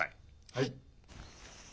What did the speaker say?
はい。